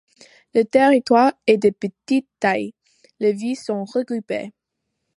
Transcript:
Le territoire est de petite taille, les villes sont regroupées.